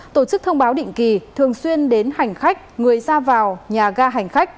tổ chức thông báo định kỳ thường xuyên đến hành khách người ra vào nhà ga hành khách